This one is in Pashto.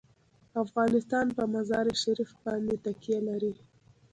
افغانستان په مزارشریف باندې تکیه لري.